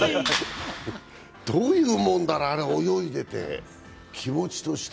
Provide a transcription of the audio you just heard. どういうもんだね、泳いでて気持ちとして。